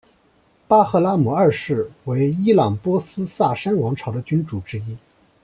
巴赫拉姆二世为伊朗波斯萨珊王朝的君主之一。